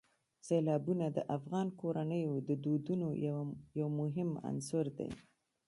سیلابونه د افغان کورنیو د دودونو یو مهم عنصر دی.